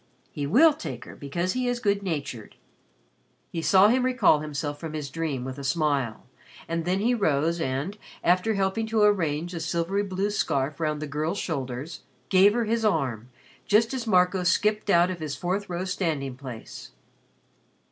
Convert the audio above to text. "He will take her because he is good natured." He saw him recall himself from his dream with a smile and then he rose and, after helping to arrange a silvery blue scarf round the girl's shoulders, gave her his arm just as Marco skipped out of his fourth row standing place.